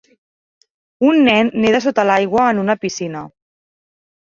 Un nen neda sota l'aigua en una piscina.